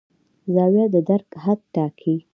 زاویه د درک حد ټاکي.